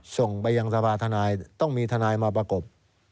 ส่งไปยังสภาธนายต้องมีทนายมาประกบ